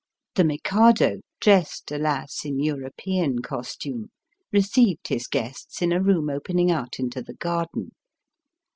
The Mikado, dressed, alas ! in European costume, received his guests in a room opening out into the garden.